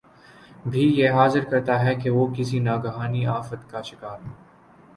بھی یہ ظاہر کرتا ہے کہ وہ کسی ناگہانی آفت کا شکار